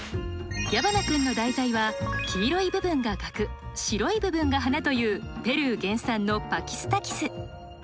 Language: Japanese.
矢花君の題材は黄色い部分がガク白い部分が花というペルー原産のパキスタキス。